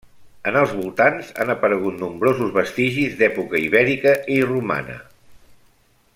En els voltants han aparegut nombrosos vestigis d'època ibèrica i romana.